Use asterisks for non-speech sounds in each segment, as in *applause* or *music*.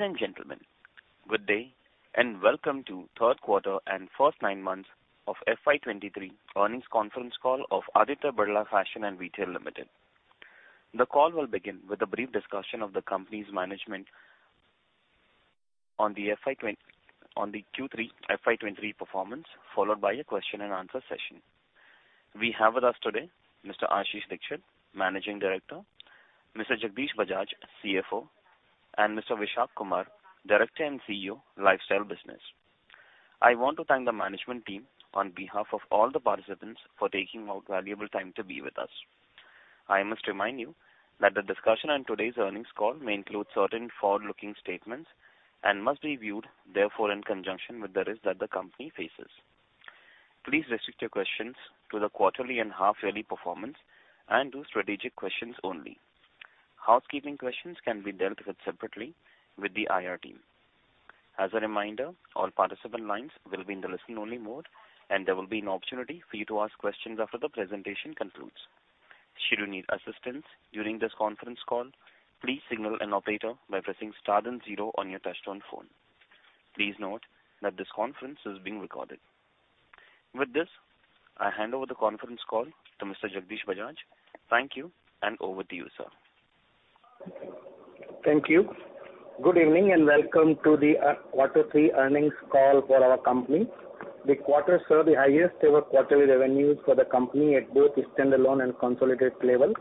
Ladies and gentlemen, good day, and Welcome to Q3 and First Nine Months of FY2023 Earnings Conference Call of Aditya Birla Fashion and Retail Limited. The call will begin with a brief discussion of the company's management on the Q3 FY2023 performance, followed by a question-and-answer session. We have with us today Mr. Ashish Dikshit, Managing Director; Mr. Jagdish Bajaj, CFO; and Mr. Vishak Kumar, Director and CEO, Lifestyle Business. I want to thank the management team on behalf of all the participants for taking out valuable time to be with us. I must remind you that the discussion on today's earnings call may include certain forward-looking statements and must be viewed therefore in conjunction with the risks that the company faces. Please restrict your questions to the quarterly and half-yearly performance and do strategic questions only. Housekeeping questions can be dealt with separately with the IR team. As a reminder, all participant lines will be in the listen-only mode, and there will be an opportunity for you to ask questions after the presentation concludes. Should you need assistance during this conference call, please signal an operator by pressing star then 0 on your touch-tone phone. Please note that this conference is being recorded. With this, I hand over the conference call to Mr. Jagdish Bajaj. Thank you. Over to you, sir. Thank you. Good evening, and welcome to the Q3 earnings call for our company. The quarter saw the highest ever quarterly revenues for the company at both standalone and consolidated levels.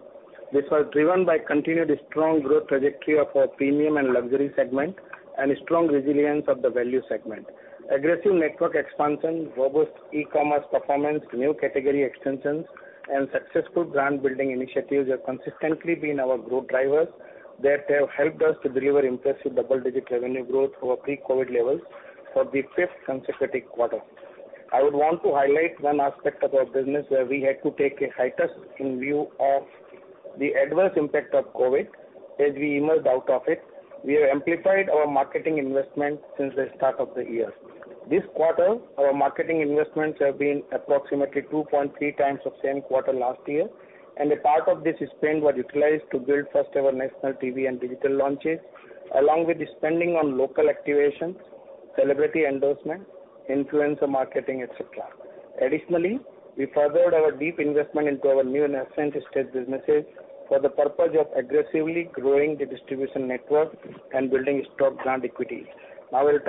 This was driven by continued strong growth trajectory of our premium and luxury segment and strong resilience of the value segment. Aggressive network expansion, robust e-commerce performance, new category extensions, and successful brand building initiatives have consistently been our growth drivers that have helped us to deliver impressive double-digit revenue growth over pre-COVID levels for the fifth consecutive quarter. I would want to highlight one aspect of our business where we had to take a hiatus in view of the adverse impact of COVID as we emerged out of it. We have amplified our marketing investment since the start of the year. This quarter, our marketing investments have been approximately 2.3x of same quarter last year, and a part of this spend was utilized to build first ever national TV and digital launches, along with the spending on local activations, celebrity endorsement, influencer marketing, et cetera. Additionally, we furthered our deep investment into our new and nascent stage businesses for the purpose of aggressively growing the distribution network and building stock brand equity. I will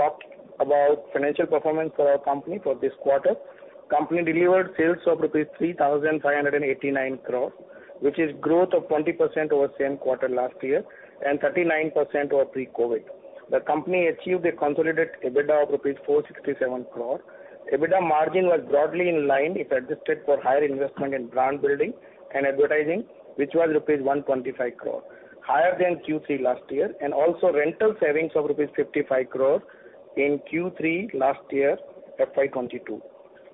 talk about financial performance for our company for this quarter. Company delivered sales of rupees 3,589 crore, which is growth of 20% over same quarter last year and 39% over pre-COVID. The company achieved a consolidated EBITDA of rupees 467 crore. EBITDA margin was broadly in line if adjusted for higher investment in brand building and advertising, which was rupees 125 crore, higher than Q3 last year, and also rental savings of rupees 55 crore in Q3 last year, FY2022.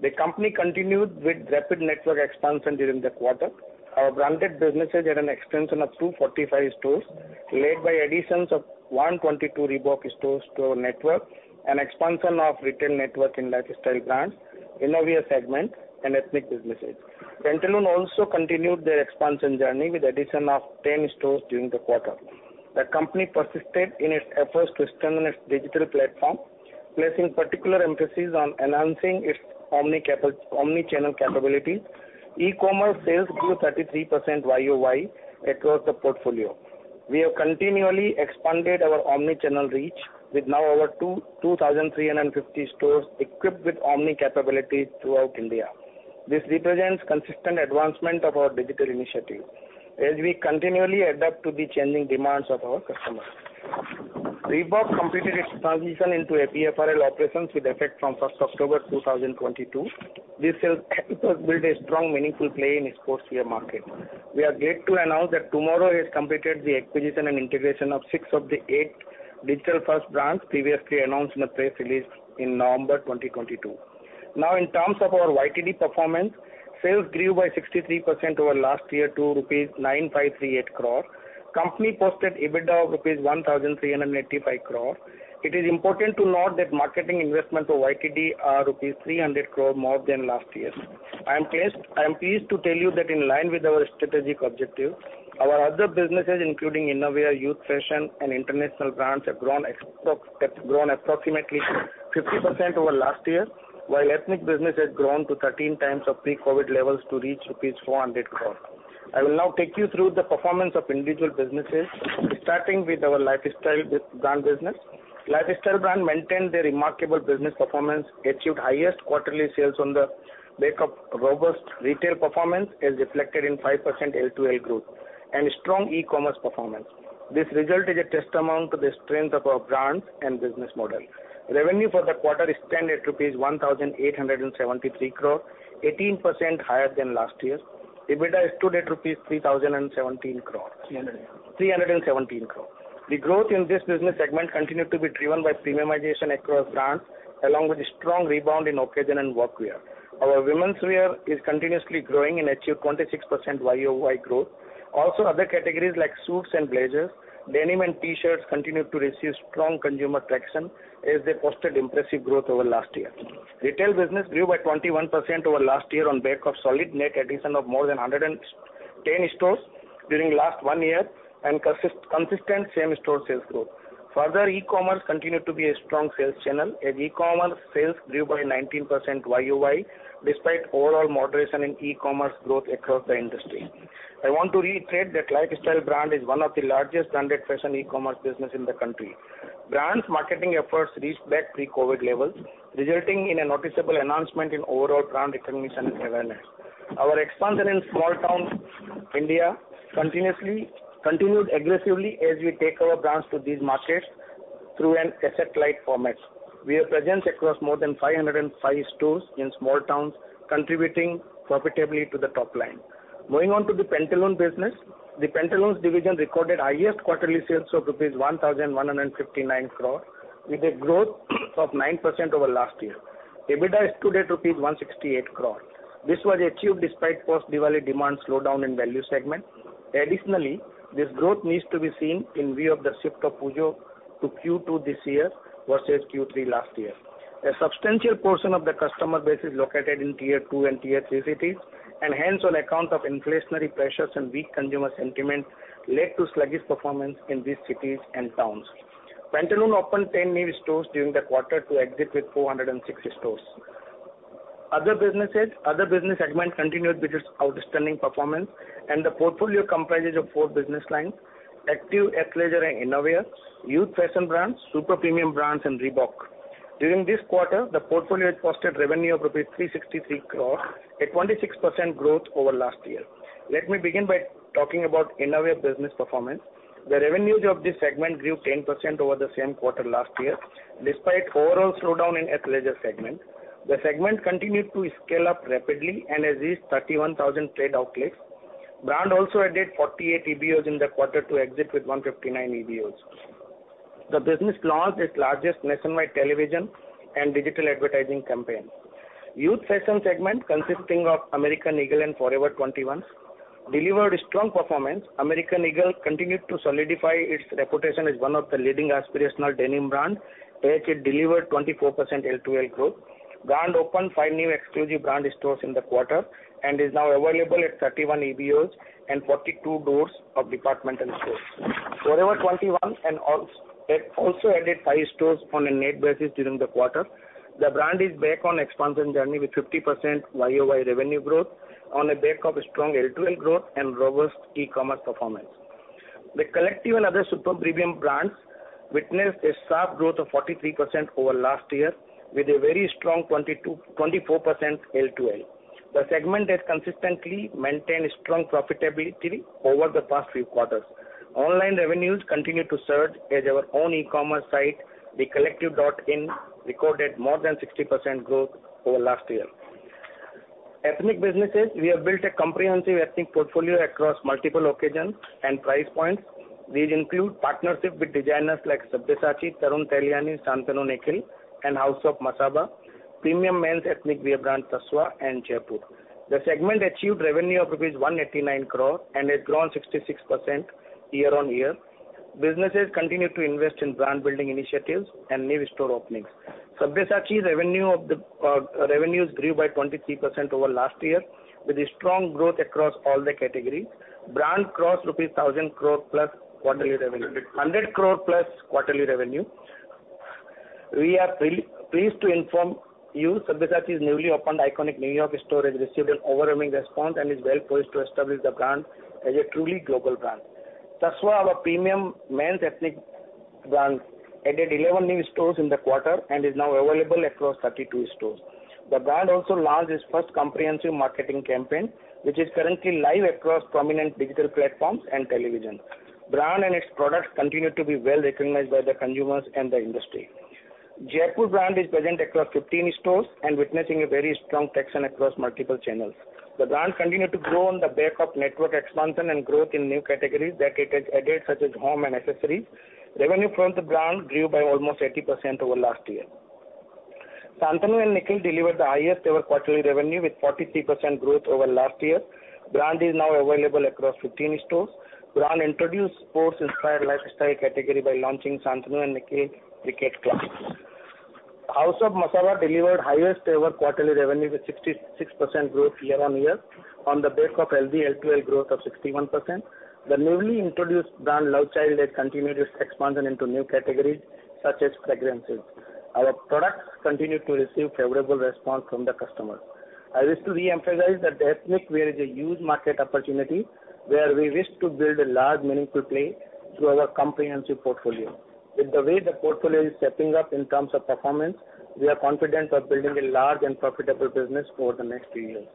The company continued with rapid network expansion during the quarter. Our branded businesses had an expansion of 245 stores, led by additions of 122 Reebok stores to our network and expansion of retail network in Lifestyle brands, Innerwear segment, and ethnic businesses. Pantaloons also continued their expansion journey with addition of 10 stores during the quarter. The company persisted in its efforts to strengthen its digital platform, placing particular emphasis on enhancing its omni-channel capability. E-commerce sales grew 33% YoY across the portfolio. We have continually expanded our omni-channel reach with now over 2,350 stores equipped with omni capabilities throughout India. This represents consistent advancement of our digital initiative as we continually adapt to the changing demands of our customers. Reebok completed its transition into a ABFRL operations with effect from 1 October 2022. This will build a strong, meaningful play in sportswear market. We are glad to announce that TMRW has completed the acquisition and integration of 6 of the 8 digital-first brands previously announced in the press release in November 2022. In terms of our YTD performance, sales grew by 63% over last year to rupees 9,538 crore. Company posted EBITDA of rupees 1,385 crore. It is important to note that marketing investments for YTD are rupees 300 crore more than last year's. I am pleased to tell you that in line with our strategic objective, our other businesses, including Innerwear, Youth Fashion, and International Brands, have grown approximately 50% over last year, while ethnic business has grown to 13x of pre-COVID levels to reach INR 400 crore. I will now take you through the performance of individual businesses, starting with our Lifestyle brand business. Lifestyle brand maintained their remarkable business performance, achieved highest quarterly sales on the back of robust retail performance, as reflected in 5% LTL growth and strong e-commerce performance. This result is a testament to the strength of our brands and business model. Revenue for the quarter stood at rupees 1,873 crore, 18% higher than last year. EBITDA stood at rupees 3,017 crore. *crosstalk* 317 crore. The growth in this business segment continued to be driven by premiumization across brands, along with a strong rebound in occasion and workwear. Our womenswear is continuously growing and achieved 26% YoY growth. Also other categories like suits and blazers, denim, and T-shirts continued to receive strong consumer traction, as they posted impressive growth over last year. Retail business grew by 21% over last year on back of solid net addition of more than 110 stores during last one year and consistent same store sales growth. Further, e-commerce continued to be a strong sales channel, as e-commerce sales grew by 19% YoY, despite overall moderation in e-commerce growth across the industry. I want to reiterate that Lifestyle Business is one of the largest standard fashion e-commerce business in the country. Brand's marketing efforts reached back pre-COVID levels, resulting in a noticeable enhancement in overall brand recognition and awareness. Our expansion in small town India continued aggressively as we take our brands to these markets through an asset-light format. We are present across more than 505 stores in small towns, contributing profitably to the top line. Going on to the Pantaloons business. The Pantaloons division recorded highest quarterly sales of rupees 1,159 crore with a growth of 9% over last year. EBITDA stood at rupees 168 crore. This was achieved despite post-Diwali demand slowdown in value segment. Additionally, this growth needs to be seen in view of the shift of Puja to Q2 this year versus Q3 last year. A substantial portion of the customer base is located in tier two and tier three cities. Hence on account of inflationary pressures and weak consumer sentiment led to sluggish performance in these cities and towns. Pantaloons opened 10 new stores during the quarter to exit with 406 stores. Other business segment continued with its outstanding performance. The portfolio comprises of four business lines: active athleisure and Innerwear, youth fashion brands, super-premium brands and Reebok. During this quarter, the portfolio posted revenue of rupees 363 crore, a 26% growth over last year. Let me begin by talking about Innerwear business performance. The revenues of this segment grew 10% over the same quarter last year, despite overall slowdown in athleisure segment. The segment continued to scale up rapidly and has reached 31,000 trade outlets. Brand also added 48 EBOs in the quarter to exit with 159 EBOs. The business launched its largest nationwide television and digital advertising campaign. Youth fashion segment, consisting of American Eagle and Forever 21, delivered strong performance. American Eagle continued to solidify its reputation as one of the leading aspirational denim brand, as it delivered 24% LTL growth. Brand opened five new exclusive brand stores in the quarter and is now available at 31 EBOs and 42 doors of departmental stores. Forever 21 also added five stores on a net basis during the quarter. The brand is back on expansion journey with 50% YoY revenue growth on the back of strong LTL growth and robust e-commerce performance. The Collective and other super-premium brands witnessed a sharp growth of 43% over last year with a very strong 24% LTL. The segment has consistently maintained strong profitability over the past few quarters. Online revenues continued to surge as our own e-commerce site, thecollective.in, recorded more than 60% growth over last year. Ethnic businesses, we have built a comprehensive ethnic portfolio across multiple occasions and price points. These include partnership with designers like Sabyasachi, Tarun Tahiliani, Shantanu & Nikhil, and House of Masaba, premium men's ethnic wear brand Tasva and Jaypore. The segment achieved revenue of rupees 189 crore and has grown 66% year-on-year. Businesses continue to invest in brand building initiatives and new store openings. Sabyasachi's revenues grew by 23% over last year with a strong growth across all the categories. Brand crossed rupees 1,000 crore plus quarterly revenue. *crosstalk* 100 crore plus quarterly revenue. We are pleased to inform you, Sabyasachi's newly opened iconic New York store has received an overwhelming response and is well poised to establish the brand as a truly global brand. Tasva, our premium men's ethnic brand, added 11 new stores in the quarter and is now available across 32 stores. The brand also launched its first comprehensive marketing campaign, which is currently live across prominent digital platforms and television. Brand and its products continue to be well-recognized by the consumers and the industry. Jaypore brand is present across 15 stores and witnessing a very strong traction across multiple channels. The brand continued to grow on the back of network expansion and growth in new categories that it has added, such as home and accessories. Revenue from the brand grew by almost 80% over last year. Shantanu & Nikhil delivered the highest ever quarterly revenue with 43% growth over last year. Brand is now available across 15 stores. Brand introduced sports inspired lifestyle category by launching Shantanu Nikhil Cricket Club. House of Masaba delivered highest ever quarterly revenue with 66% growth year-on-year on the back of healthy LTL growth of 61%. The newly introduced brand, Lovechild, has continued its expansion into new categories such as fragrances. Our products continue to receive favorable response from the customers. I wish to re-emphasize that the ethnic wear is a huge market opportunity where we wish to build a large, meaningful play through our comprehensive portfolio. With the way the portfolio is shaping up in terms of performance, we are confident of building a large and profitable business over the next three years.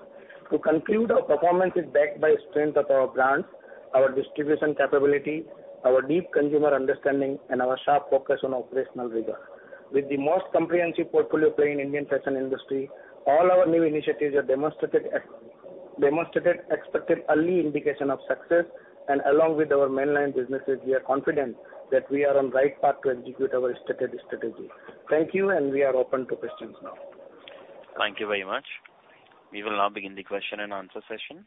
To conclude, our performance is backed by strength of our brands, our distribution capability, our deep consumer understanding, and our sharp focus on operational rigor. With the most comprehensive portfolio play in Indian fashion industry, all our new initiatives have demonstrated expected early indication of success, and along with our mainline businesses, we are confident that we are on right path to execute our stated strategy. Thank you. We are open to questions now. Thank you very much. We will now begin the question and answer session.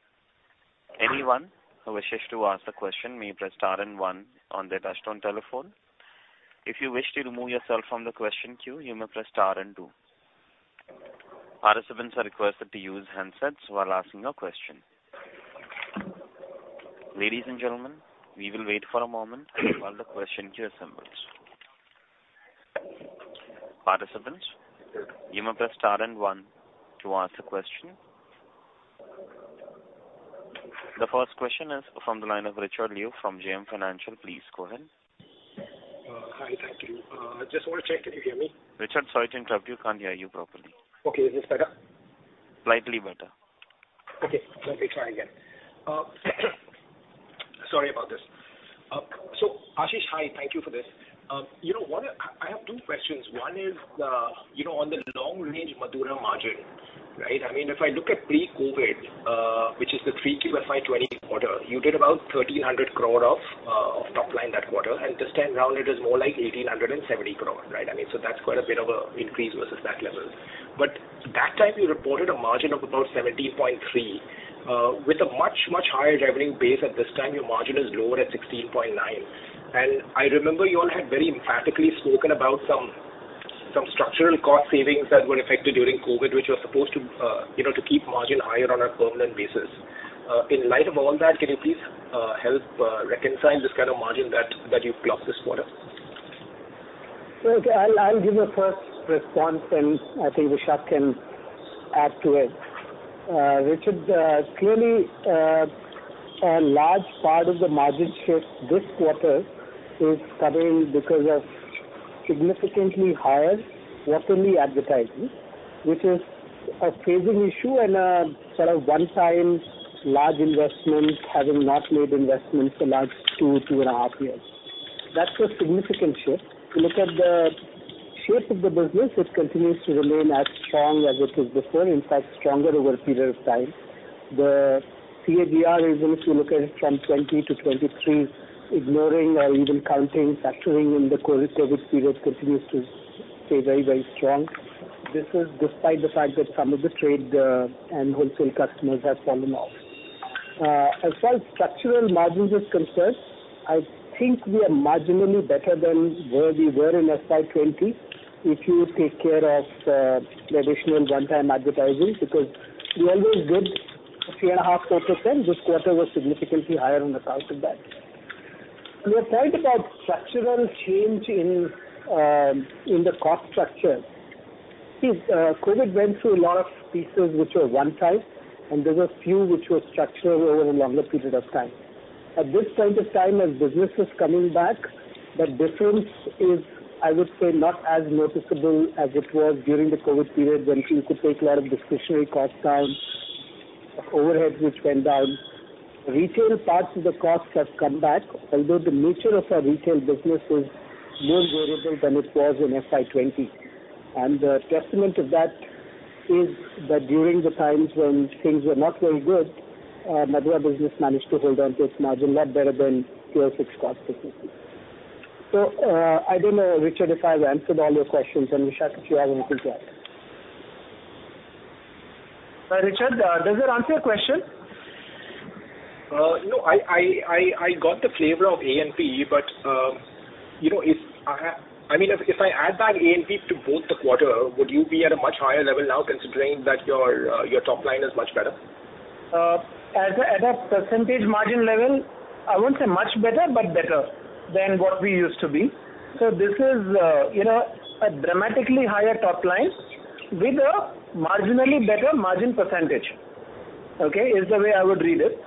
Anyone who wishes to ask a question may press star and one on their touchtone telephone. If you wish to remove yourself from the question queue, you may press star and two. Participants are requested to use handsets while asking a question. Ladies and gentlemen, we will wait for a moment while the question queue assembles. Participants, you may press star and one to ask the question. The first question is from the line of Richard Liu from JM Financial. Please go ahead. Hi. Thank you. Just wanna check if you hear me? Richard, sorry to interrupt you. Can't hear you properly. Okay. Is this better? Slightly better. Okay. Let me try again. Sorry about this. Ashish, hi. Thank you for this. You know what, I have two questions. One is, you know, on the long range Madura margin, right? I mean, if I look at pre-COVID, which is the Q3 FY2020 quarter, you did about 1,300 crore of top line that quarter, and this time around it is more like 1,870 crore, right? I mean, that's quite a bit of a increase versus that level. That time you reported a margin of about 17.3%, with a much, much higher revenue base. At this time, your margin is lower at 16.9%. I remember you all had very emphatically spoken about some structural cost savings that were affected during COVID, which were supposed to, you know, to keep margin higher on a permanent basis. In light of all that, can you please help reconcile this kind of margin that you've clocked this quarter? Okay. I'll give a first response, and I think Vishak can add to it. Richard, clearly, a large part of the margin shift this quarter is coming because of significantly higher quarterly advertising, which is a phasing issue and a sort of one-time large investment, having not made investments the last two and a half years. That's a significant shift. If you look at the shape of the business, it continues to remain as strong as it was before, in fact stronger over a period of time. The CAGR even if you look at it from 2020-2023, ignoring or even counting, factoring in the COVID period continues to stay very, very strong. This is despite the fact that some of the trade and wholesale customers have fallen off. As far as structural margin is concerned, I think we are marginally better than where we were in FY2020 if you take care of the additional one-time advertising because we always did 3.5%-4%. This quarter was significantly higher on account of that. On your point about structural change in the cost structure, see, COVID went through a lot of pieces which were one-time, and there were few which were structural over a longer period of time. At this point of time as business is coming back, the difference is, I would say, not as noticeable as it was during the COVID period when you could take a lot of discretionary costs down, overheads which went down. Retail parts of the cost have come back, although the nature of our retail business is more variable than it was in FY2020. A testament to that is that during the times when things were not very good, Madura business managed to hold on to its margin a lot better than Tier 6 cost businesses. I don't know, Richard, if I've answered all your questions, and Vishak, if you have anything to add. Richard, does that answer your question? No. I got the flavor of A&P, but, you know, if I mean, if I add back A&P to both the quarter, would you be at a much higher level now considering that your top line is much better? At a percentage margin level, I wouldn't say much better, but better than what we used to be. This is, you know, a dramatically higher top line with a marginally better margin %, okay? Is the way I would read it.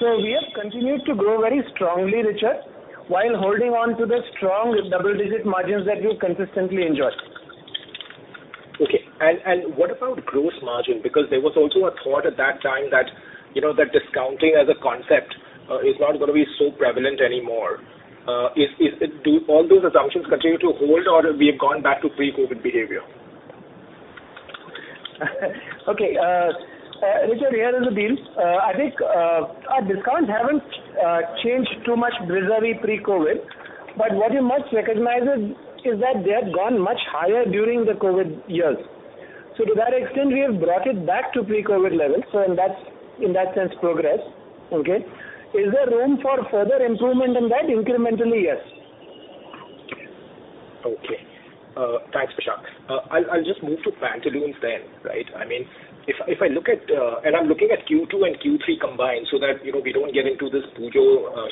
We have continued to grow very strongly, Richard, while holding on to the strong double-digit margins that you consistently enjoy. Okay. What about gross margin? There was also a thought at that time that, you know, that discounting as a concept is not gonna be so prevalent anymore. Do all those assumptions continue to hold, or we have gone back to pre-COVID behavior? Okay. Richard, here is the deal. I think, our discounts haven't changed too much vis-a-vis pre-COVID, but what you must recognize is that they have gone much higher during the COVID years. To that extent, we have brought it back to pre-COVID levels, so in that's, in that sense, progress. Okay? Is there room for further improvement in that? Incrementally, yes. Okay. Thanks, Vishak. I'll just move to Pantaloons, right? I mean, if I look at Q2 and Q3 combined so that, you know, we don't get into this Puja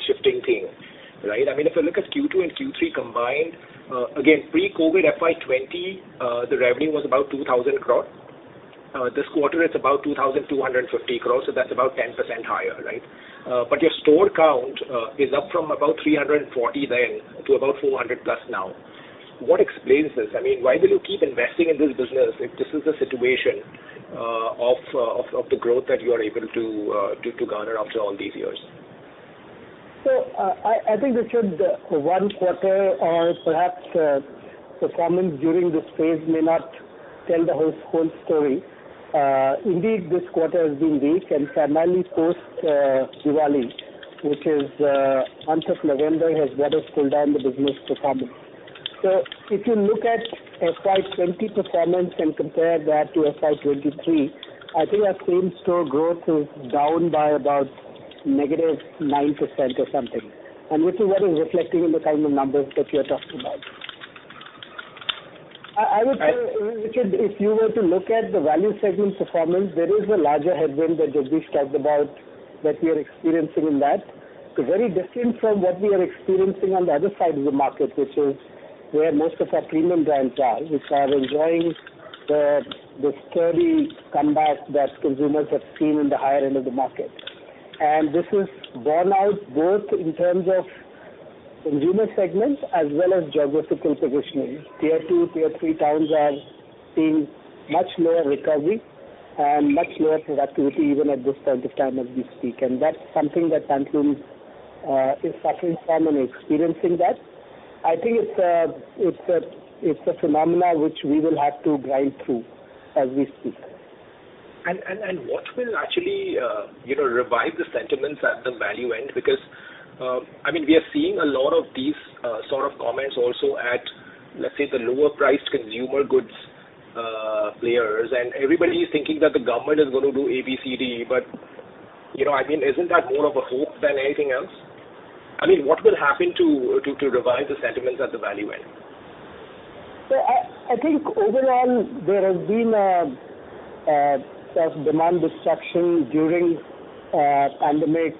shifting thing, right? I mean, if I look at Q2 and Q3 combined, again, pre-COVID FY2020, the revenue was about 2,000 crore. This quarter it's about 2,250 crore, that's about 10% higher, right? Your store count is up from about 340 then to about 400+ now. What explains this? I mean, why will you keep investing in this business if this is the situation of the growth that you are able to garner after all these years? I think, Richard, one quarter or perhaps performance during this phase may not tell the whole story. Indeed this quarter has been weak, and finally post Diwali, which is the month of November, has further cooled down the business performance. If you look at FY2020 performance and compare that to FY2023, I think our same store growth is down by about -9% or something, and which is what is reflecting in the kind of numbers that you're talking about. I would tell, Richard, if you were to look at the value segment performance, there is a larger headwind that Jagdish talked about that we are experiencing in that. It's very different from what we are experiencing on the other side of the market, which is where most of our premium brands are, which are enjoying the steady comeback that consumers have seen in the higher end of the market. This is borne out both in terms of consumer segments as well as geographical positioning. Tier two, tier three towns are seeing much lower recovery and much lower productivity even at this point of time as we speak. That's something that Pantaloons is suffering from and experiencing that. I think it's a phenomena which we will have to grind through as we speak. What will actually, you know, revive the sentiments at the value end? I mean, we are seeing a lot of these sort of comments also at, let's say, the lower priced consumer goods players. Everybody is thinking that the government is gonna do A, B, C, D. You know, I mean, isn't that more of a hope than anything else? I mean, what will happen to revive the sentiments at the value end? I think overall there has been a demand disruption during pandemic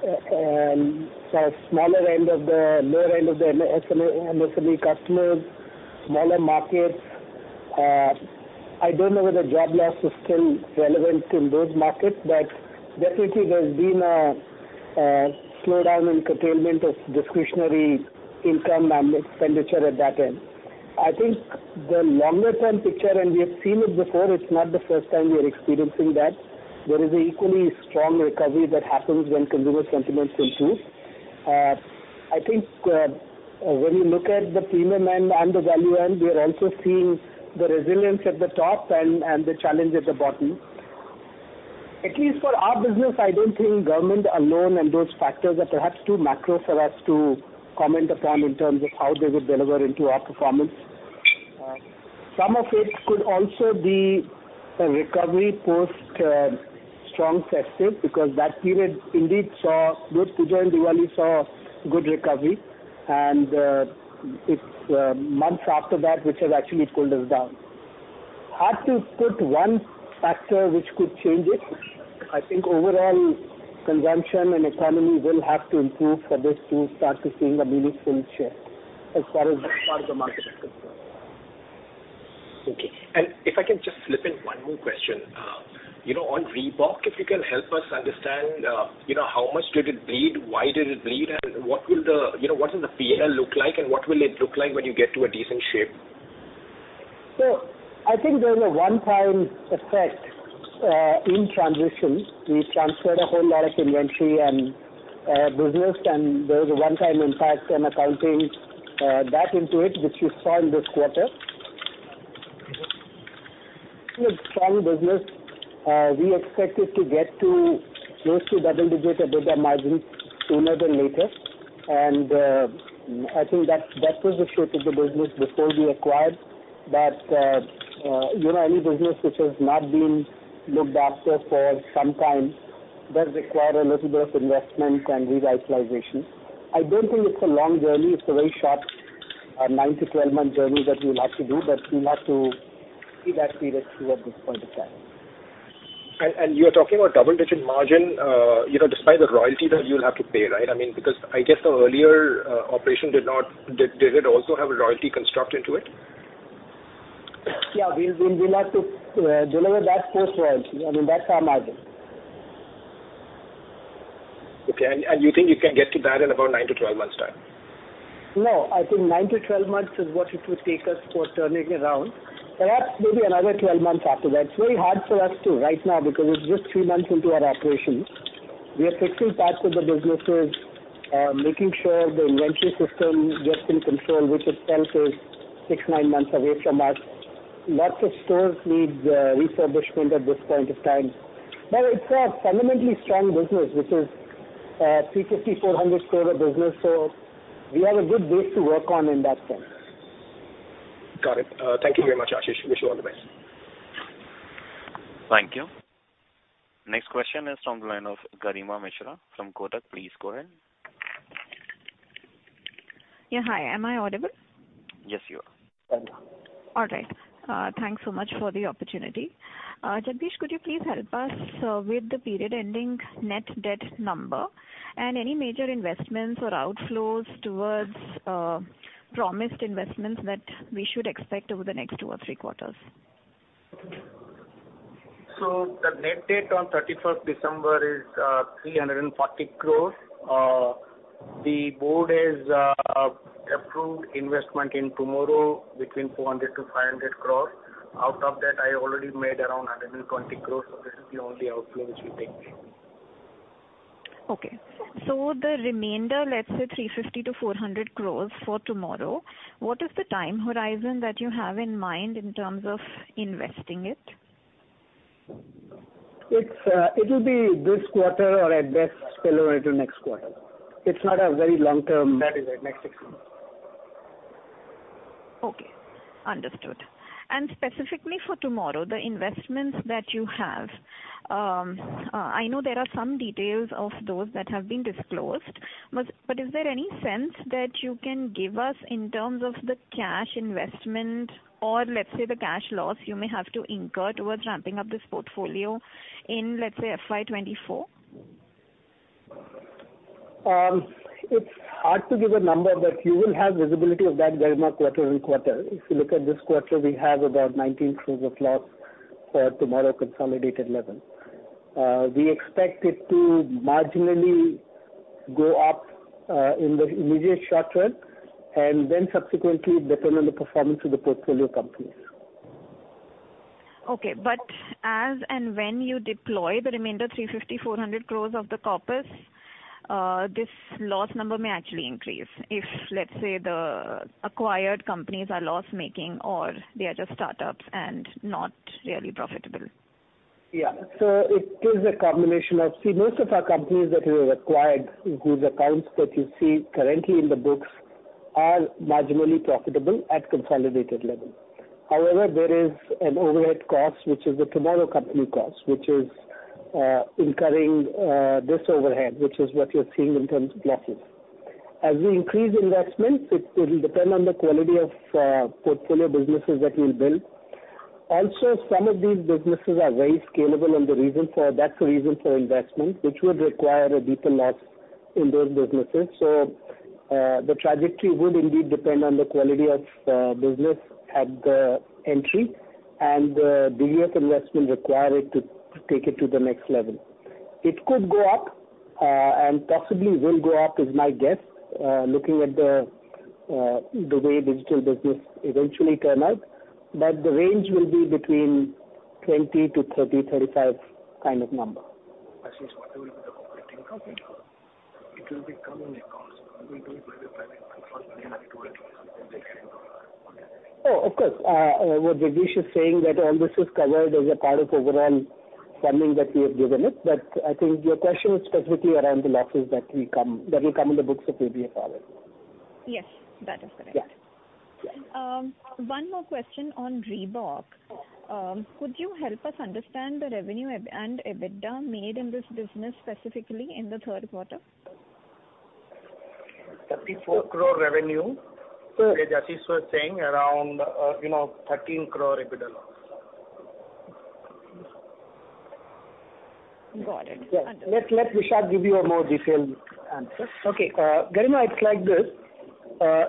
for the lower end of the MSME customers, smaller markets. I don't know whether job loss is still relevant in those markets, but definitely there's been a slowdown and curtailment of discretionary income and expenditure at that end. I think the longer term picture, and we have seen it before, it's not the first time we are experiencing that, there is an equally strong recovery that happens when consumer sentiments improve. I think when you look at the premium end and the value end, we are also seeing the resilience at the top and the challenge at the bottom. At least for our business, I don't think government alone and those factors are perhaps too macro for us to comment upon in terms of how they would deliver into our performance. Some of it could also be a recovery post strong festive, because that period indeed saw both Puja and Diwali saw good recovery, and it's months after that which has actually cooled us down. Hard to put one factor which could change it. I think overall consumption and economy will have to improve for this to start to seeing a meaningful shift as far as that part of the market is concerned. Okay. If I can just slip in one more question. You know, on Reebok, if you can help us understand, you know, how much did it bleed? Why did it bleed? You know, what did the P&L look like, and what will it look like when you get to a decent shape? I think there's a one-time effect in transition. We transferred a whole lot of inventory and business, and there was a one-time impact on accounting that into it, which you saw in this quarter. It's a strong business. We expect it to get to close to double-digit EBITDA margins sooner than later. I think that that was the shape of the business before we acquired. You know, any business which has not been looked after for some time does require a little bit of investment and revitalization. I don't think it's a long journey. It's a very short, nine to 12-month journey that we will have to do, but we'll have to see that period through at this point of time. You're talking about double-digit margin, you know, despite the royalty that you'll have to pay, right? I mean, because I guess the earlier, operation. Did it also have a royalty construct into it? Yeah. We'll have to deliver that post-royalty, I mean, that's our margin. Okay. You think you can get to that in about nine to 12 months' time? No. I think nine to 12 months is what it would take us for turning it around. Perhaps maybe another 12 months after that. It's very hard for us to right now because it's just three months into our operations. We are fixing parts of the businesses, making sure the inventory system gets in control, which itself is six to nine months away from us. Lots of stores need refurbishment at this point of time. It's a fundamentally strong business which is a 350-400 store a business, so we have a good base to work on in that sense. Got it. Thank you very much, Ashish. Wish you all the best. Thank you. Next question is from the line of Garima Mishra from Kotak. Please go ahead. Yeah. Hi, am I audible? Yes, you are. All right. Thanks so much for the opportunity. Jagdish, could you please help us with the period ending net debt number and any major investments or outflows towards promised investments that we should expect over the next two or three quarters? The net debt on 31 December 2022 is 340 crore. The board has approved investment in TMRW between 400 crore-500 crore. Out of that, I already made around 120 crore. This is the only outflow which we take. Okay. The remainder, let's say 350 crores-400 crores for TMRW, what is the time horizon that you have in mind in terms of investing it? It'll be this quarter or at best spill over into next quarter. It's not a very long. That is right, next six months. Okay. Understood. Specifically for TMRW, the investments that you have, I know there are some details of those that have been disclosed, but is there any sense that you can give us in terms of the cash investment or let's say the cash loss you may have to incur towards ramping up this portfolio in, let's say, FY2024? It's hard to give a number. You will have visibility of that very much quarter and quarter. If you look at this quarter, we have about 19 crores of loss for TMRW consolidated level. We expect it to marginally go up in the immediate short term and then subsequently depend on the performance of the portfolio companies. Okay. As and when you deploy the remainder 350 crores-400 crores of the corpus, this loss number may actually increase if, let's say, the acquired companies are loss-making or they are just startups and not really profitable. Yeah. It is a combination of, see, most of our companies that we have acquired, whose accounts that you see currently in the books, are marginally profitable at consolidated level. However, there is an overhead cost, which is the TMRW company cost, which is incurring this overhead, which is what you're seeing in terms of losses. As we increase investments, it'll depend on the quality of portfolio businesses that we'll build. Also, some of these businesses are very scalable, that's the reason for investment, which would require a deeper loss in those businesses. The trajectory would indeed depend on the quality of business at the entry and the U.S. investment required to take it to the next level. It could go up, and possibly will go up is my guess, looking at the way digital business eventually turn out, but the range will be between 20-30-35 kind of number. Ashish, what will be the operating income? It will be coming accounts. We will do it by the time. *inaudible* Of course. What Jagdish is saying that all this is covered as a part of overall funding that we have given it. I think your question is specifically around the losses that will come in the books of PBA forward. Yes, that is correct. One more question on Reebok. Could you help us understand the revenue and EBITDA made in this business specifically in the Q3? 34 crore revenue. As Ashish was saying, around, you know, 13 crore EBITDA loss. Got it. Understood. Let Vishal give you a more detailed answer. Okay. Garima, it's like this.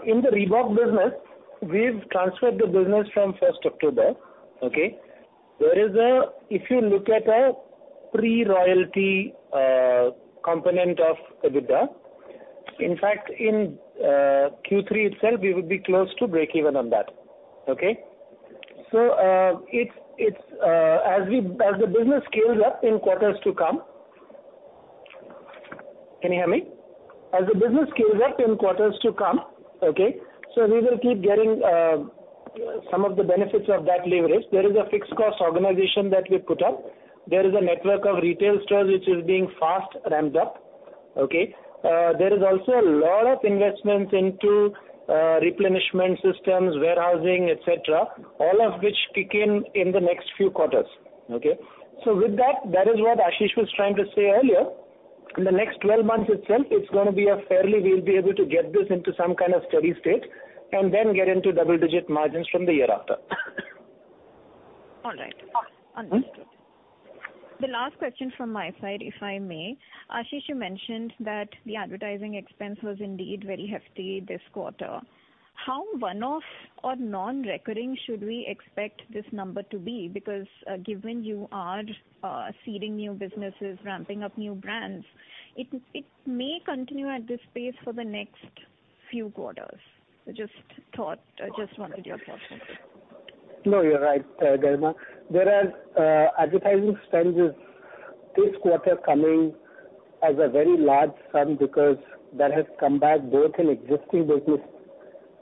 In the Reebok business, we've transferred the business from 1 October 2022. Okay? If you look at a pre-royalty component of EBITDA, in fact, in Q3 itself, we would be close to breakeven on that. Okay? It's as the business scales up in quarters to come. Can you hear me? As the business scales up in quarters to come, okay, we will keep getting some of the benefits of that leverage. There is a fixed cost organization that we put up. There is a network of retail stores which is being fast ramped up. Okay? There is also a lot of investments into replenishment systems, warehousing, et cetera, all of which kick in in the next few quarters. Okay? With that is what Ashish was trying to say earlier. In the next 12 months itself, we'll be able to get this into some kind of steady state and then get into double-digit margins from the year after. All right. Understood. The last question from my side, if I may. Ashish, you mentioned that the advertising expense was indeed very hefty this quarter. How one-off or non-recurring should we expect this number to be? Because given you are seeding new businesses, ramping up new brands, it may continue at this pace for the next few quarters. I just wanted your thoughts on this. No, you're right, Garima. There are advertising spends this quarter coming as a very large sum because that has come back both in existing business,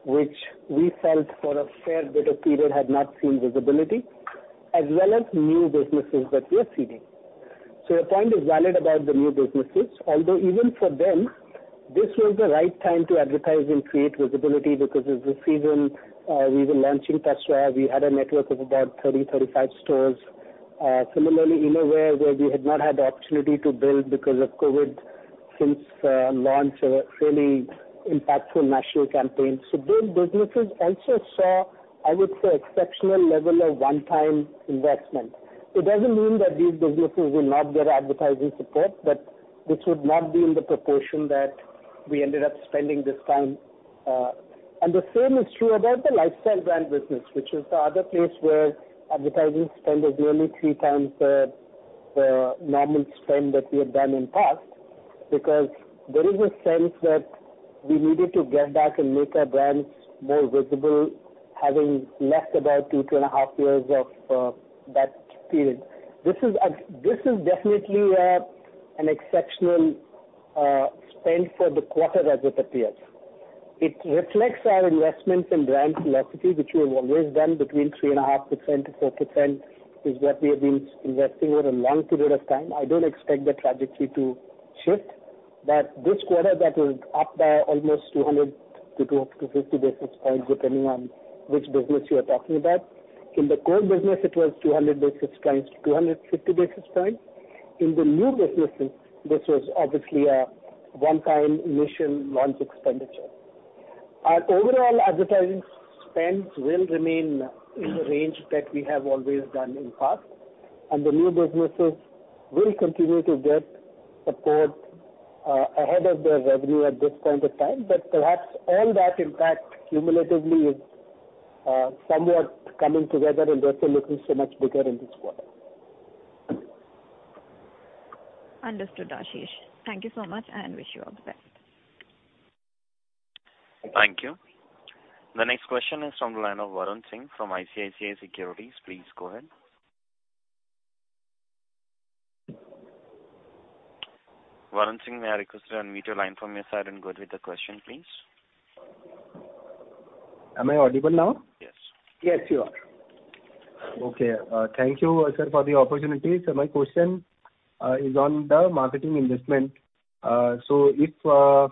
which we felt for a fair bit of period had not seen visibility, as well as new businesses that we are seeding. Your point is valid about the new businesses. Although even for them, this was the right time to advertise and create visibility because it's the season, we were launching Tasva, we had a network of about 30, 35 stores. Similarly, Innerwear where we had not had the opportunity to build because of COVID since launch a really impactful national campaign. Those businesses also saw, I would say, exceptional level of one-time investment. It doesn't mean that these businesses will not get advertising support, but this would not be in the proportion that we ended up spending this time. The same is true about the lifestyle brand business, which is the other place where advertising spend was nearly three times the normal spend that we have done in past. Because there is a sense that we needed to get back and make our brands more visible, having left about 2.5 years of that period. This is definitely an exceptional spend for the quarter as it appears. It reflects our investment in brand velocity, which we have always done between 3.5%-4% is what we have been investing over a long period of time. I don't expect the trajectory to shift. That this quarter that was up by almost 200-250 basis points, depending on which business you are talking about. In the core business, it was 200-250 basis points. In the new businesses, this was obviously a one-time initial launch expenditure. Our overall advertising spend will remain in the range that we have always done in the past, and the new businesses will continue to get support ahead of their revenue at this point of time. Perhaps all that impact cumulatively is somewhat coming together and therefore looking so much bigger in this quarter. Understood, Ashish. Thank you so much, and wish you all the best. Thank you. The next question is from the line of Varun Singh from ICICI Securities. Please go ahead. Varun Singh, may I request you to unmute your line from your side and go ahead with the question, please. Am I audible now? Yes. Yes, you are. Okay. Thank you, Sir, for the opportunity. My question is on the marketing investment. If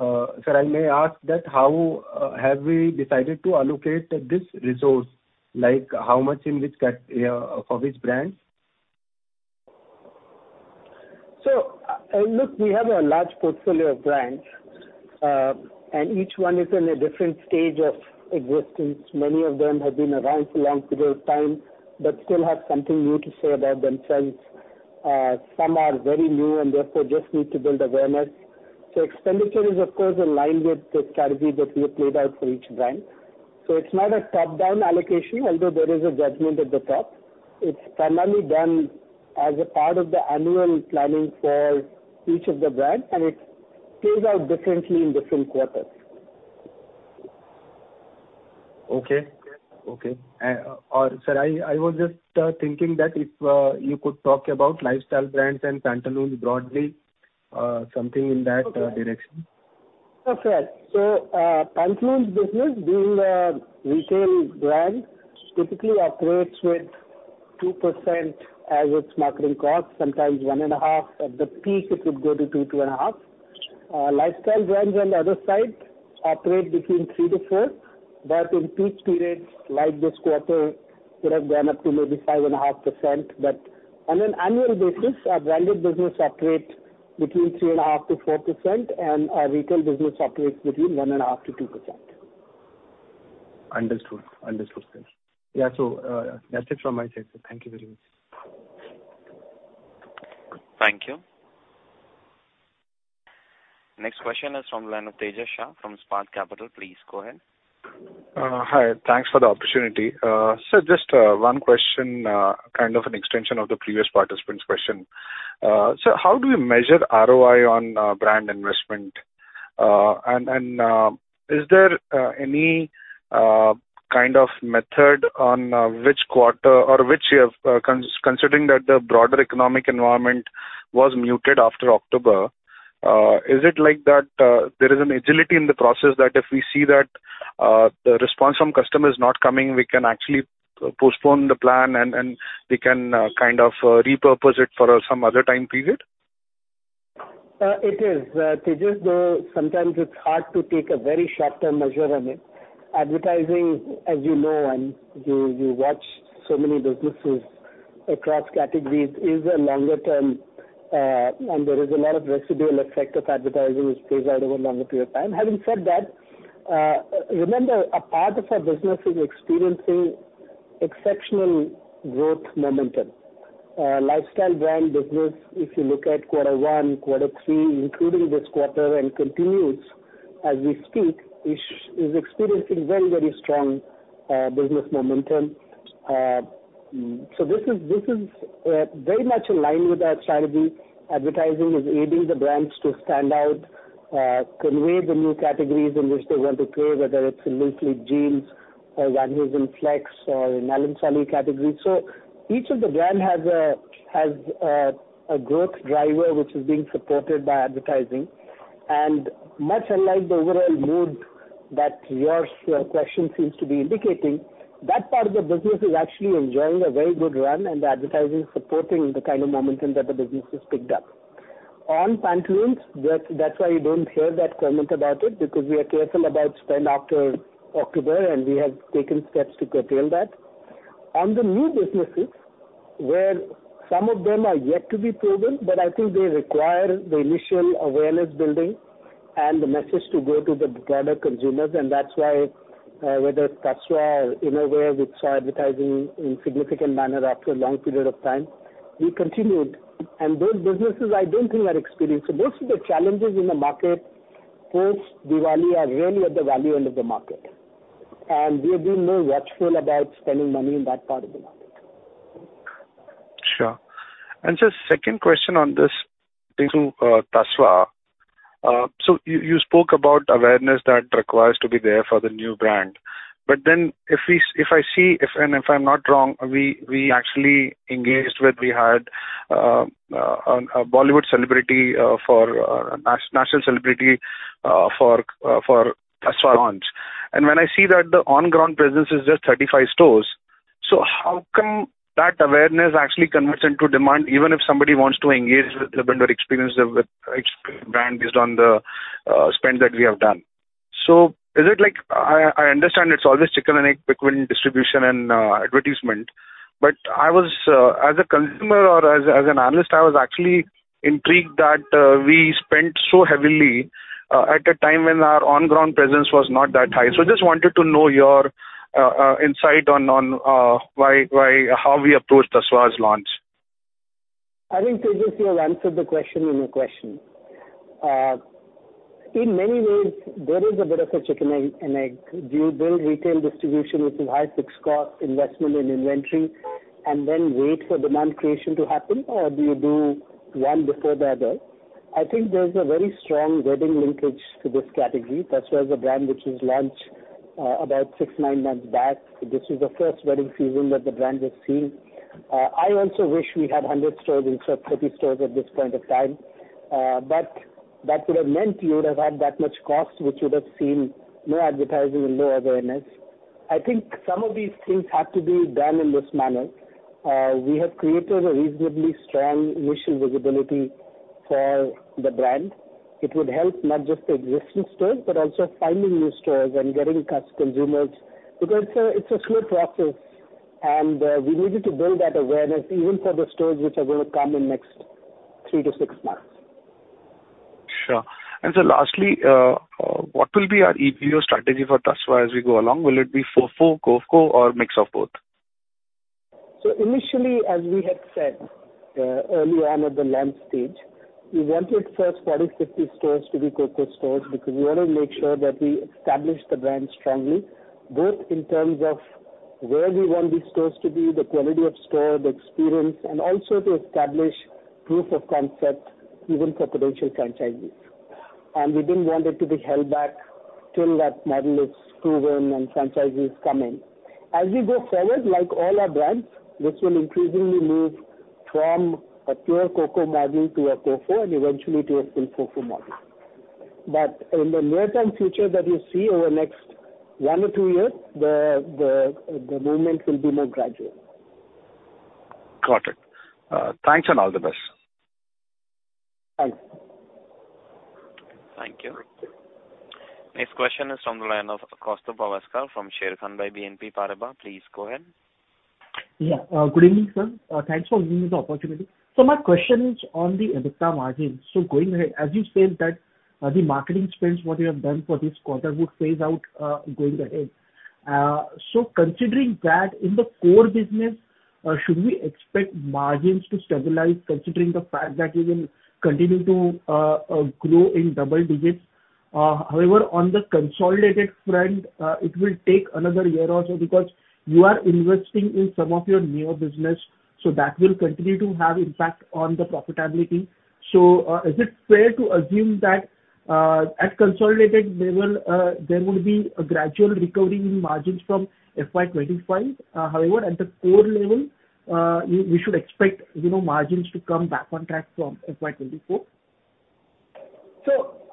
Sir, I may ask that how have we decided to allocate this resource? Like how much in which for which brand? Look, we have a large portfolio of brands, and each one is in a different stage of existence. Many of them have been around for long period of time, but still have something new to say about themselves. Some are very new and therefore just need to build awareness. Expenditure is of course aligned with the strategy that we have laid out for each brand. It's not a top-down allocation, although there is a judgment at the top. It's primarily done as a part of the annual planning for each of the brands, and it plays out differently in different quarters. Okay. Okay. sir, I was just thinking that if you could talk about Lifestyle brands and Pantaloons broadly, something in that direction. Okay. Sure. Pantaloons business being a retail brand typically operates with 2% as its marketing cost, sometimes 1.5%. At the peak, it would go to 2%, 2.5%. Lifestyle brands on the other side operate between 3%-4%, but in peak periods like this quarter could have gone up to maybe 5.5%. On an annual basis, our branded business operates between 3.5%-4%, and our retail business operates between 1.5%-2%. Understood. Understood, sir. Yeah. That's it from my side, sir. Thank you very much. Thank you. Next question is from the line of Tejas Shah from Spark Capital. Please go ahead. Hi. Thanks for the opportunity. Just one question, kind of an extension of the previous participant's question. How do you measure ROI on brand investment? And, is there any kind of method on which quarter or which year, considering that the broader economic environment was muted after October, is it like that, there is an agility in the process that if we see that, the response from customer is not coming, we can actually postpone the plan and we can, kind of, repurpose it for some other time period? It is, Tejas, though sometimes it's hard to take a very short-term measure on it. Advertising, as you know, and you watch so many businesses across categories, is a longer term, and there is a lot of residual effect of advertising which plays out over a longer period of time. Having said that, remember, a part of our business is experiencing exceptional growth momentum. Lifestyle brand business, if you look at Q1, Q3, including this quarter and continues as we speak, is experiencing very, very strong business momentum. So this is very much in line with our strategy. Advertising is aiding the brands to stand out, convey the new categories in which they want to play, whether it's in Louis Philippe Jeans or Van Heusen Flex or in Allen Solly category. Each of the brand has a growth driver which is being supported by advertising. Much unlike the overall mood that your question seems to be indicating, that part of the business is actually enjoying a very good run, the advertising is supporting the kind of momentum that the business has picked up. On Pantaloons, that's why you don't hear that comment about it, because we are careful about spend after October, we have taken steps to curtail that. On the new businesses, where some of them are yet to be proven, I think they require the initial awareness building and the message to go to the broader consumers, that's why whether Tasva or Innerwear, we saw advertising in significant manner after a long period of time. We continued, those businesses I don't think are experiencing. Most of the challenges in the market post-Diwali are really at the value end of the market, and we have been more watchful about spending money in that part of the market. Sure. Just second question on this Tasva. So you spoke about awareness that requires to be there for the new brand. If I see, if I'm not wrong, we actually engaged with, we had a Bollywood celebrity for national celebrity for Tasva launch. When I see that the on-ground presence is just 35 stores. How come that awareness actually converts into demand even if somebody wants to engage with the brand or experience the brand based on the spend that we have done? Is it like, I understand it's always chicken and egg between distribution and advertisement, but I was as a consumer or as an analyst, I was actually intrigued that we spent so heavily at a time when our on-ground presence was not that high. Just wanted to know your insight on why, how we approached the Tasva's launch. I think, Tejas, you have answered the question in your question. In many ways, there is a bit of a chicken and egg. Do you build retail distribution with a high fixed cost investment in inventory and then wait for demand creation to happen? Or do you do one before the other? I think there's a very strong wedding linkage to this category. Tasva is a brand which was launched about six, nine months back. This is the first wedding season that the brand has seen. I also wish we had 100 stores instead of 30 stores at this point of time. But that would have meant you would have had that much cost, which would have seen no advertising and no awareness. I think some of these things have to be done in this manner. We have created a reasonably strong initial visibility for the brand. It would help not just the existing stores, but also finding new stores and getting consumers, because it's a, it's a slow process, and we needed to build that awareness even for the stores which are gonna come in next three to six months. Sure. lastly, what will be our EBO strategy for Tasva as we go along? Will it be FOFO, COCO or mix of both? Initially, as we had said, early on at the launch stage, we wanted first 40, 50 stores to be COCO stores because we want to make sure that we establish the brand strongly, both in terms of where we want these stores to be, the quality of store, the experience, and also to establish proof of concept even for potential franchisees. We didn't want it to be held back till that model is proven and franchisees come in. As we go forward, like all our brands, this will increasingly move from a pure COCO model to a FOFO and eventually to a full FOFO model. In the near term future that you see over next one or two years, the movement will be more gradual. Got it. Thanks and all the best. Thanks. Thank you. Next question is from the line of Kaustubh Bhaskar from Sharekhan by BNP Paribas. Please go ahead. Yeah. Good evening, sir. Thanks for giving me the opportunity. My question is on the EBITDA margins. Going ahead, as you said that, the marketing spends what you have done for this quarter would phase out going ahead. Considering that in the core business, should we expect margins to stabilize considering the fact that you will continue to grow in double digits? However, on the consolidated front, it will take another year or so because you are investing in some of your newer business, so that will continue to have impact on the profitability. Is it fair to assume that at consolidated level, there will be a gradual recovery in margins from FY2025? At the core level, we should expect, you know, margins to come back on track from FY2024?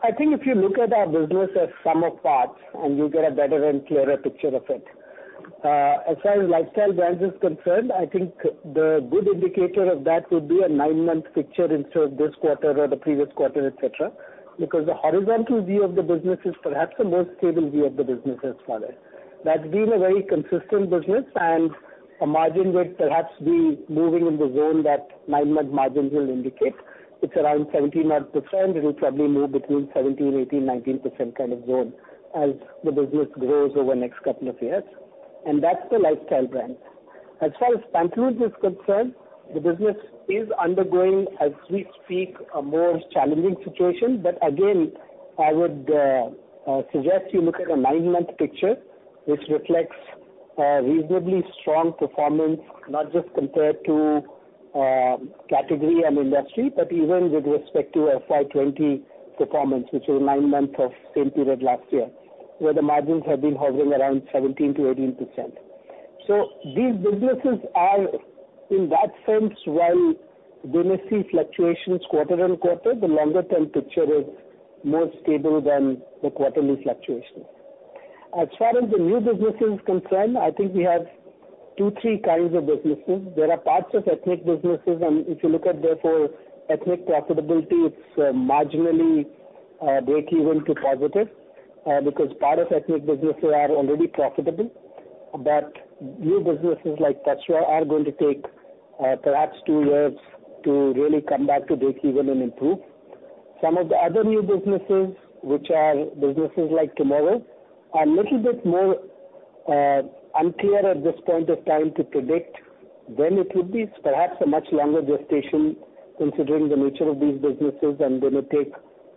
I think if you look at our business as sum of parts and you get a better and clearer picture of it. As far as Lifestyle Brands is concerned, I think the good indicator of that would be a nine-month picture instead of this quarter or the previous quarter, et cetera, because the horizontal view of the business is perhaps the most stable view of the business as far as. That's been a very consistent business and a margin which perhaps be moving in the zone that nine-month margins will indicate. It's around 17 odd percent. It will probably move between 17%, 18%, 19% kind of zone as the business grows over the next couple of years. That's the Lifestyle Brand. As far as Pantaloons is concerned, the business is undergoing, as we speak, a more challenging situation. Again, I would suggest you look at a nine-month picture which reflects a reasonably strong performance, not just compared to category and industry, but even with respect to FY2020 performance, which is nine months of same period last year, where the margins have been hovering around 17%-18%. These businesses are in that sense, while they may see fluctuations quarter on quarter, the longer term picture is more stable than the quarterly fluctuations. As far as the new business is concerned, I think we have two, three kinds of businesses. There are parts of ethnic businesses, and if you look at, therefore, ethnic profitability, it's marginally breakeven to positive because part of ethnic businesses are already profitable. New businesses like Tasva are going to take perhaps two years to really come back to breakeven and improve. Some of the other new businesses, which are businesses like TMRW, are a little bit more unclear at this point of time to predict. It could be perhaps a much longer gestation considering the nature of these businesses, and they may take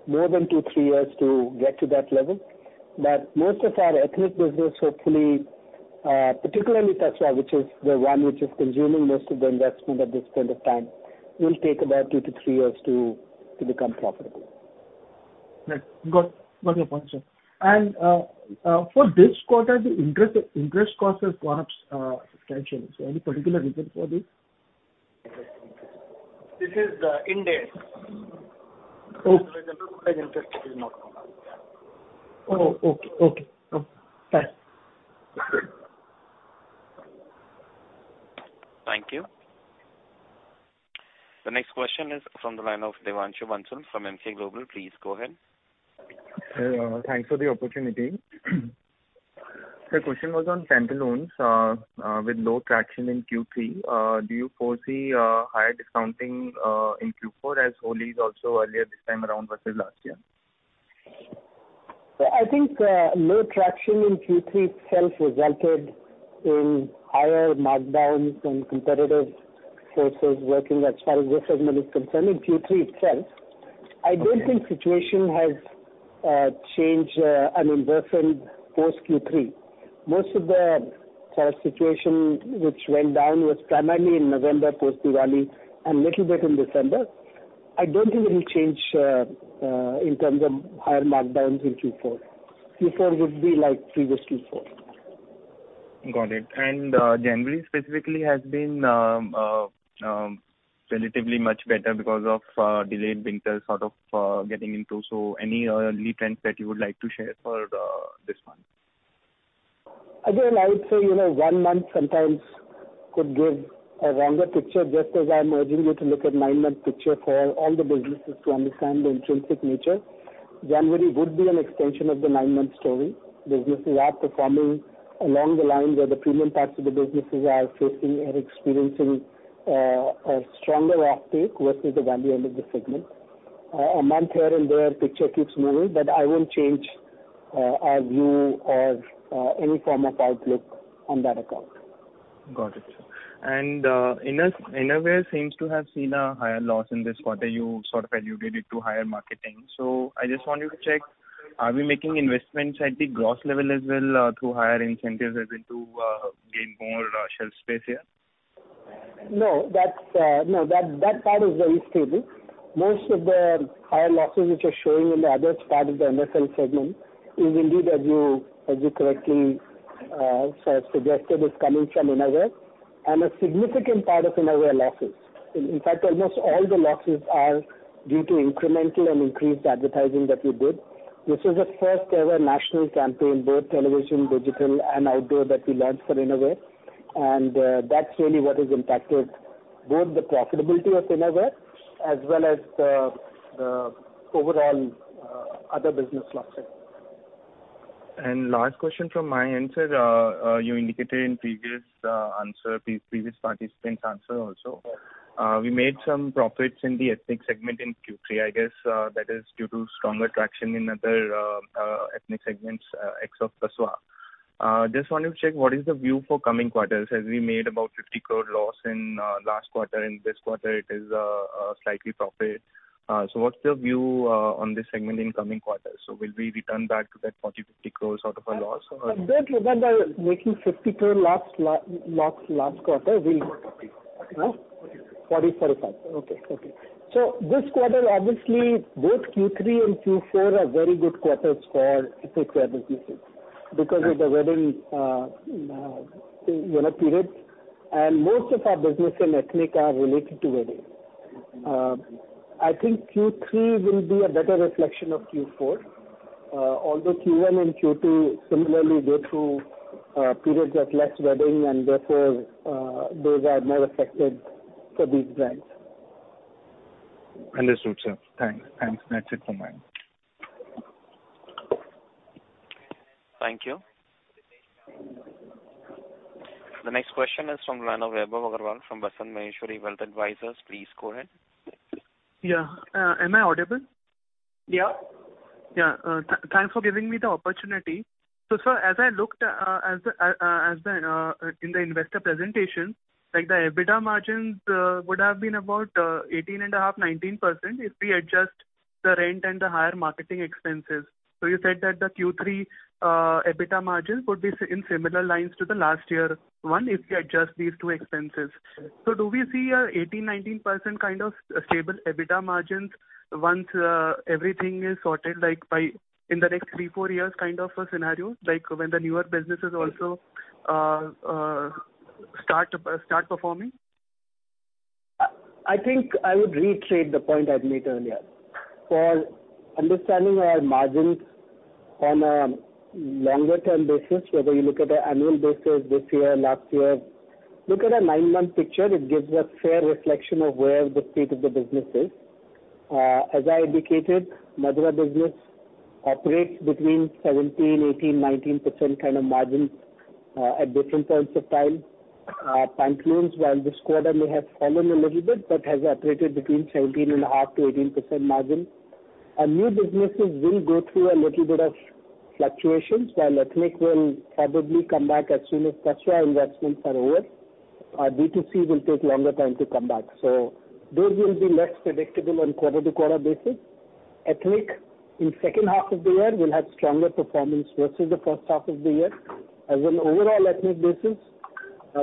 more than two, three years to get to that level. Most of our ethnic business, hopefully, particularly Tasva, which is the one which is consuming most of the investment at this point of time, will take about two to three years to become profitable. Right. Got your point, sir. For this quarter, the interest cost has gone up substantially. Any particular reason for this? This is Ind-AS. *crosstalk* Okay. Oh, okay. Okay. Thank you. The next question is from the line of Devanshu Mansukhani from Emkay Global. Please go ahead. Hey, thanks for the opportunity. The question was on Pantaloons with low traction in Q3. Do you foresee higher discounting in Q4 as Holi is also earlier this time around versus last year? I think low traction in Q3 itself resulted in higher markdowns and competitive forces working as far as this segment is concerned in Q3 itself. I don't think situation has changed, I mean, worsened post Q3. Most of the sales situation which went down was primarily in November post Diwali and little bit in December. I don't think it will change in terms of higher markdowns in Q4. Q4 would be like previous Q4. Got it. January specifically has been relatively much better because of delayed winter sort of getting into. Any early trends that you would like to share for this one? I would say, you know, one month sometimes could give a longer picture, just as I'm urging you to look at nine-month picture for all the businesses to understand the intrinsic nature. January would be an extension of the nine-month story. Businesses are performing along the lines where the premium parts of the businesses are facing and experiencing a stronger uptake versus the value end of the segment. A month here and there, picture keeps moving, but I won't change our view of any form of outlook on that account. Got it. Innerwear seems to have seen a higher loss in this quarter. You sort of attributed to higher marketing. I just want you to check, are we making investments at the gross level as well, through higher incentives as into gain more shelf space here? No, that's, no, that part is very stable. Most of the higher losses which are showing in the other part of the MFL segment is indeed, as you, as you correctly, sort of suggested, is coming from Innerwear and a significant part of Innerwear losses. In fact, almost all the losses are due to incremental and increased advertising that we did. This was a first ever national campaign, both television, digital and outdoor, that we launched for Innerwear. That's really what has impacted both the profitability of Innerwear as well as the overall other business losses. Last question from my end, sir. You indicated in previous answer, previous participant's answer also. Yes. We made some profits in the ethnic segment in Q3. I guess, that is due to stronger traction in other ethnic segments, ex of Tasva. Just wanted to check what is the view for coming quarters, as we made about 50 crore loss in last quarter. In this quarter it is a slightly profit. What's your view on this segment in coming quarters? Will we return back to that 40-50 crore sort of a loss or? I don't remember making 50 crore loss last quarter. *inaudible* 40 crores, 45 crores. Okay. This quarter, obviously both Q3 and Q4 are very good quarters for ethnic wear businesses because of the wedding, you know, periods. Most of our business in ethnic are related to wedding. I think Q3 will be a better reflection of Q4. Although Q1 and Q2 similarly go through periods of less wedding and therefore, those are more affected for these brands. Understood, sir. Thanks. Thanks. That's it from my end. Thank you. The next question is from line of Vaibhav Agrawal from Basant Maheshwari Wealth Advisers. Please go ahead. Yeah. Am I audible? Yeah. Yeah. Thanks for giving me the opportunity. Sir, as I looked in the investor presentation, like the EBITDA margins would have been about 18.5%, 19% if we adjust the rent and the higher marketing expenses. You said that the Q3 EBITDA margins would be in similar lines to the last year one if you adjust these two expenses. Do we see a 18%, 19% kind of stable EBITDA margins once everything is sorted, like by in the next three, four years kind of a scenario, like when the newer businesses also start performing? I think I would reiterate the point I'd made earlier. For understanding our margins on a longer term basis, whether you look at the annual basis this year, last year, look at a nine-month picture, it gives a fair reflection of where the state of the business is. As I indicated, Madura business operates between 17%, 18%, 19% kind of margins at different points of time. Pantaloons while this quarter may have fallen a little bit but has operated between 17.5%-18% margin. Our new businesses will go through a little bit of fluctuations, while ethnic will probably come back as soon as Tasva investments are over. Our D2C will take longer time to come back. Those will be less predictable on quarter-to-quarter basis. Ethnic in second half of the year will have stronger performance versus the first half of the year. As an overall ethnic business,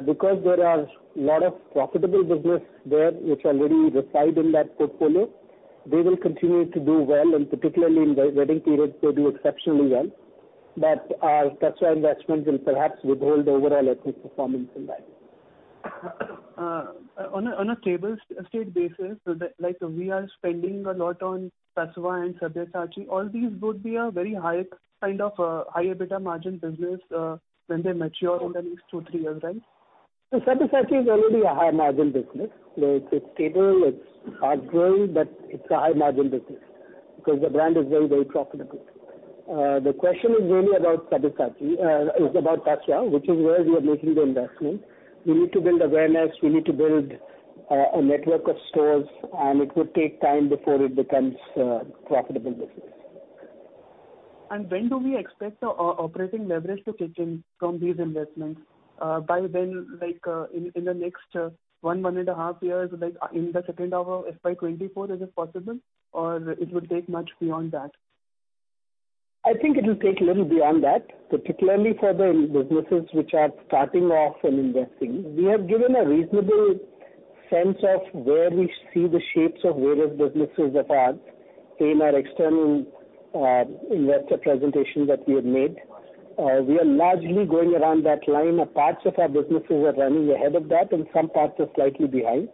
because there are lot of profitable business there which already reside in that portfolio, they will continue to do well and particularly in wedding periods they do exceptionally well. Our Tasva investment will perhaps withhold the overall ethnic performance in that. On a stable state basis, like we are spending a lot on Tasva and Sabyasachi, all these would be a very high kind of high EBITDA margin business when they mature in the next two, three years, right? Sabyasachi is already a high margin business. It's stable, it's hard growing, but it's a high margin business because the brand is very profitable. The question is really about Sabyasachi is about Tasva, which is where we are making the investment. We need to build awareness. We need to build a network of stores, and it would take time before it becomes a profitable business. When do we expect the operating leverage to kick in from these investments? By when, in the next one and a half years, in the second half of FY 2024, is it possible? It would take much beyond that? I think it will take a little beyond that, particularly for the businesses which are starting off and investing. We have given a reasonable sense of where we see the shapes of various businesses of ours in our external investor presentation that we have made. We are largely going around that line of parts of our businesses who are running ahead of that and some parts are slightly behind.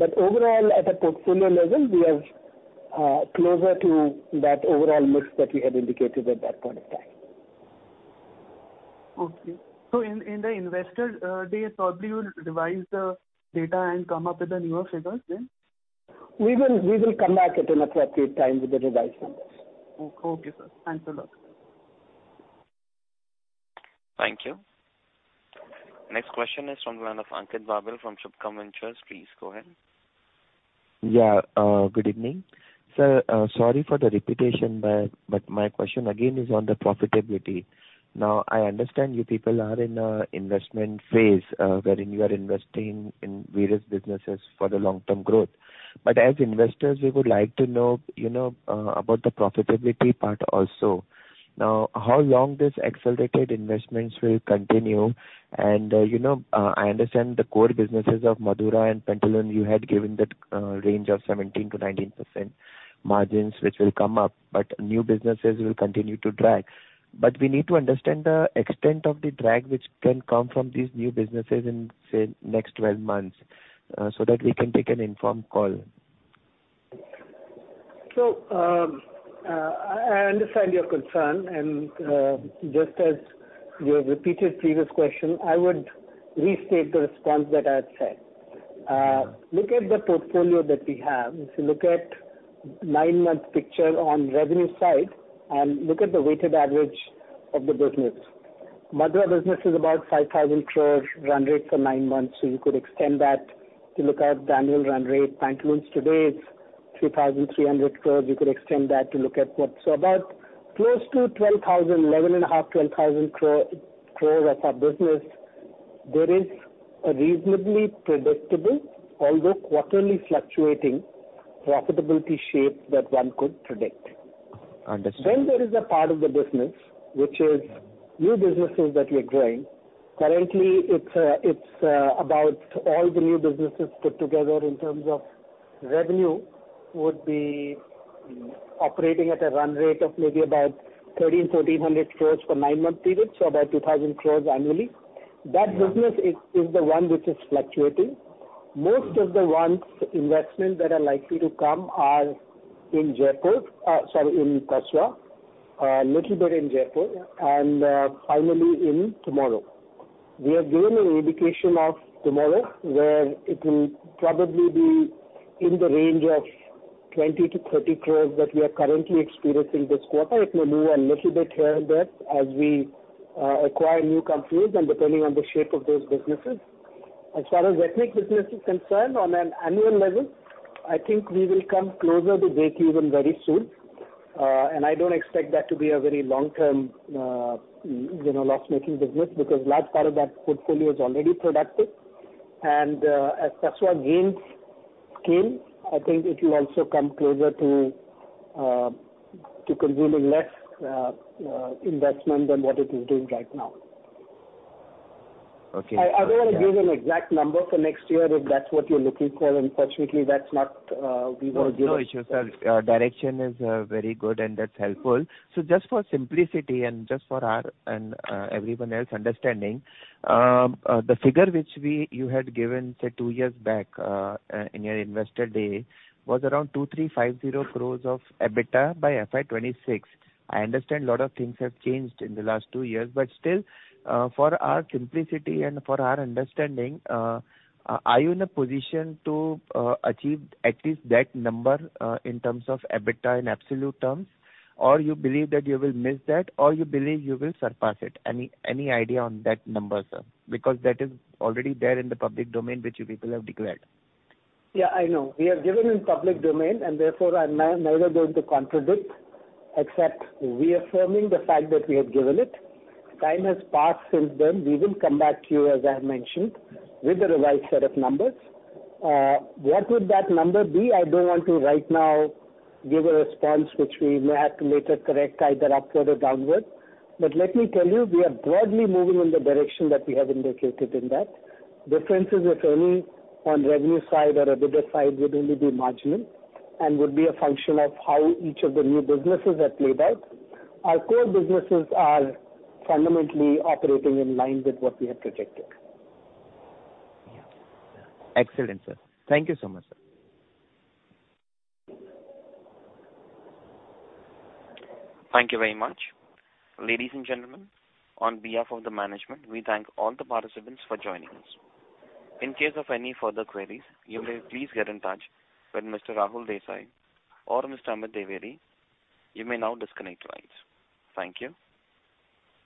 Overall, at a portfolio level, we are closer to that overall mix that we had indicated at that point of time. Okay. In the investor day, probably you will revise the data and come up with the newer figures then? We will come back at an appropriate time with the revised numbers. Okay, sir. Thanks a lot. Thank you. Next question is from the line of Ankit Babel from Subhkam Ventures. Please go ahead. Good evening. Sir, sorry for the repetition, but my question again is on the profitability. I understand you people are in an investment phase, wherein you are investing in various businesses for the long-term growth. As investors, we would like to know, you know, about the profitability part also. How long this accelerated investments will continue? You know, I understand the core businesses of Madura and Pantaloons, you had given the range of 17%-19% margins, which will come up, but new businesses will continue to drag. We need to understand the extent of the drag which can come from these new businesses in, say, next 12 months, so that we can take an informed call. I understand your concern and, just as you have repeated previous question, I would restate the response that I had said. Look at the portfolio that we have. If you look at nine-month picture on revenue side and look at the weighted average of the business. Madura business is about 5,000 crores run rate for nine months. You could extend that to look at the annual run rate. Pantaloons today is 3,300 crores. You could extend that to look at what's about close to 12,000, eleven and a half, 12,000 crores of our business. There is a reasonably predictable, although quarterly fluctuating, profitability shape that one could predict. Understood. There is a part of the business which is new businesses that we are growing. Currently, it's about all the new businesses put together in terms of revenue would be operating at a run rate of maybe about 1,300 crores-1,400 crores for nine-month period, so about 2,000 crores annually. That business is the one which is fluctuating. Most of the ones investment that are likely to come are in Jaypore. Sorry, in Tasva. Little bit in Jaypore and finally in TMRW. We have given an indication of TMRW, where it will probably be in the range of 20 crores-30 crores that we are currently experiencing this quarter. It may move a little bit here and there as we acquire new companies and depending on the shape of those businesses. As far as ethnic business is concerned, on an annual level, I think we will come closer to breakeven very soon. I don't expect that to be a very long-term, you know, loss-making business because large part of that portfolio is already productive. As Tasva gains scale, I think it will also come closer to consuming less investment than what it is doing right now. Okay. I won't give an exact number for next year, if that's what you're looking for. Unfortunately, that's not. No, no issue, sir. Direction is very good and that's helpful. Just for simplicity and just for our and everyone else understanding, the figure which you had given, say, two years back, in your investor day was around 2,350 crores of EBITDA by FY2026. I understand a lot of things have changed in the last two years, but still, for our simplicity and for our understanding, are you in a position to achieve at least that number in terms of EBITDA in absolute terms? You believe that you will miss that? You believe you will surpass it? Any, any idea on that number, sir? Because that is already there in the public domain which you people have declared. Yeah, I know. We have given in public domain and therefore I'm never going to contradict, except reaffirming the fact that we have given it. Time has passed since then. We will come back to you, as I have mentioned, with the revised set of numbers. What would that number be? I don't want to right now give a response which we may have to later correct either upward or downward. Let me tell you, we are broadly moving in the direction that we have indicated in that. Differences, if any, on revenue side or EBITDA side would only be marginal and would be a function of how each of the new businesses are played out. Our core businesses are fundamentally operating in line with what we have projected. Yeah. Excellent, sir. Thank you so much, sir. Thank you very much. Ladies and gentlemen, on behalf of the management, we thank all the participants for joining us. In case of any further queries, you may please get in touch with Mr. Rahul Desai or Mr. Amit Dwivedi. You may now disconnect your lines. Thank you.